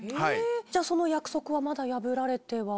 その約束はまだ破られては？